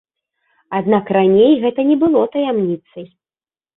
Аднак раней гэта не было таямніцай.